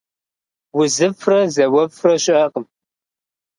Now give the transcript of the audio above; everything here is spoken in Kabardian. УзыфӀрэ зауэфӀрэ щыӀэкъым.